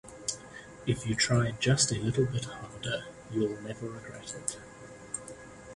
If you try just a little bit harder you'll never regret it.